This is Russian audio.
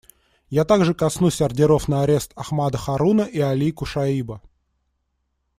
Я также коснусь ордеров на арест Ахмада Харуна и Али Кушаиба.